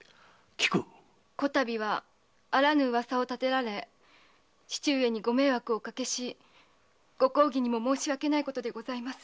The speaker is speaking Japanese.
比度はあらぬ噂をたてられ父上にご迷惑をおかけしご公儀にも申し訳ないことでございます。